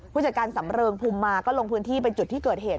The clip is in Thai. ผู้จัดการสำเริงภูมิมาก็ลงพื้นที่ไปจุดที่เกิดเหตุ